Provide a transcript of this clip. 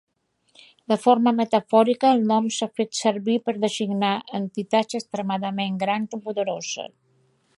De forma metafòrica, el nom s'ha fet servir per designar entitats extremadament grans o poderoses.